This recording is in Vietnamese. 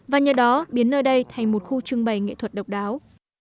và nhờ đó biến nơi đây thành một khu trưng bày nghệ thuật độc đáo